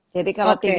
jadi kalau tinggi